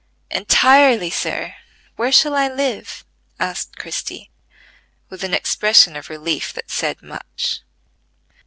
"Entirely, sir. Where shall I live?" asked Christie, with an expression of relief that said much.